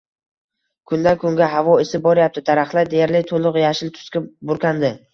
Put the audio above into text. Kundan kunga havo isib boryapti, daraxtlar deyarli to`liq yashil tusga burkandi